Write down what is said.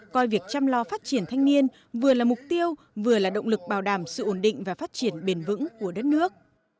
coi việc chăm lo phát triển thanh niên vừa là mục tiêu vừa là động lực bảo đảm sự ổn định và phát triển bền vững của đất nước